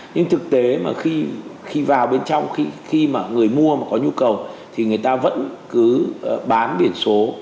nhưng thực tế mà khi vào bên trong khi mà người mua mà có nhu cầu thì người ta vẫn cứ bám biển số